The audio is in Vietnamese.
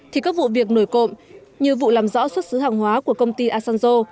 thì các vụ việc nổi cộng như vụ làm rõ xuất xứ hàng hóa của công ty asanzo